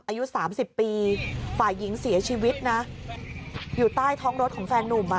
อายุสามสิบปีฝ่ายหญิงเสียชีวิตนะอยู่ใต้ท้องรถของแฟนนุ่มอ่ะ